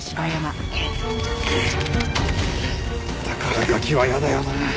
だからガキは嫌だよなあ。